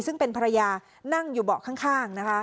ซึ่งเป็นภรรยานั่งอยู่เบาะข้างนะคะ